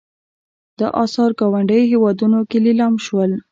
دا اثار ګاونډیو هېوادونو کې لیلام شول.